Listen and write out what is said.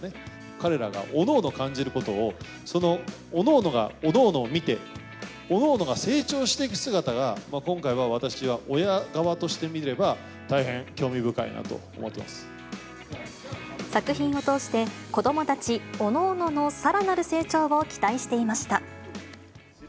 彼らがおのおの感じることを、そのおのおのがおのおのを見て、おのおのが成長していく姿が、今回は私は親側として見れば、作品を通して、子どもたちおのおののさらなる成長を期待していました。